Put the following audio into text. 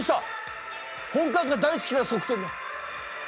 本官が大好きな側転だ。